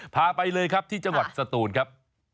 พาไปเลยครับที่จังหวัดสตูนครับ